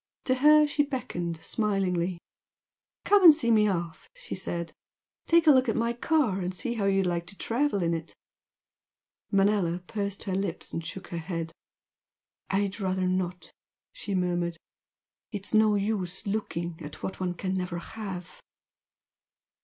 To her she beckoned smilingly. "Come and see me off!" she said "Take a look at my car and see how you'd like to travel in it!" Manella pursed her lips and shook her head. "I'd rather not!" she murmured "It's no use looking at what one can never have!"